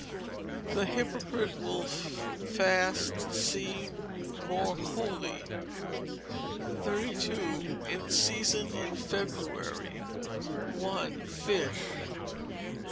[THE HYPOCRITE WILL FAST SEEM MORE HOLY.] 32. In Season in February. i. Fish.